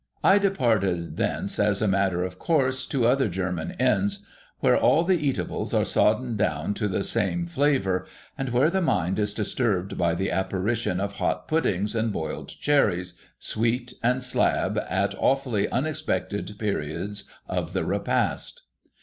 I departed thence, as a matter of course, to other German Inns, where all the eatables arc soddened down to the same flavour, and where the mind is disturbed by the apparition of hot puddings, and boiled cherries, sweet and slab, at awfully unexpected periods of the repast.